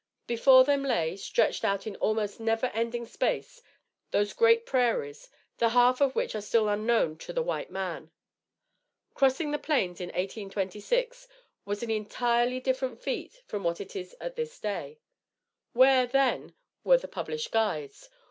Before them lay, stretched out in almost never ending space, those great prairies, the half of which are still unknown to the white man. Crossing the plains in 1826 was an entirely different feat from what it is at this day. Where, then, were the published guides?